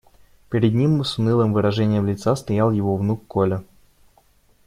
Перед ним с унылым выражением лица стоял его внук Коля.